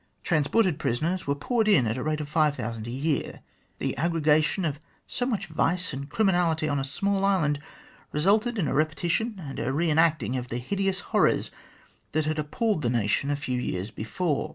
Transported prisoners were poured in at the rate of five thousand a year. The aggregation of so much vice and criminality on a small island resulted in a repetition and a re enacting of the hideous horrors that had appalled the nation a few years before.